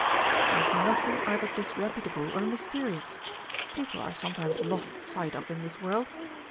"There is nothing either disreputable or mysterious. People are sometimes lost sight of in this world.